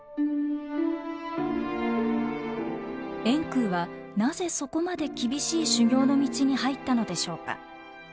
円空はなぜそこまで厳しい修行の道に入ったのでしょうか。